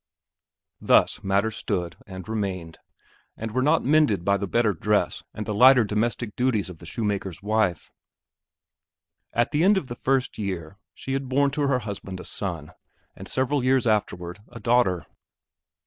Thus matters stood and remained, and were not mended by the better dress and the lighter domestic duties of the shoemaker's wife. At the end of the first year, she had born to her husband a son, and several years afterward, a daughter.